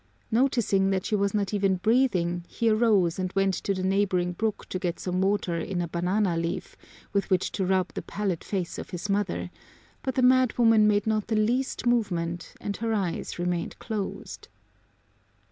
Noticing that she was not even breathing, he arose and went to the neighboring brook to get some water in a banana leaf, with which to rub the pallid face of his mother, but the madwoman made not the least movement and her eyes remained closed.